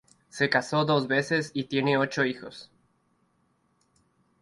Se casó dos veces y tiene ocho hijos.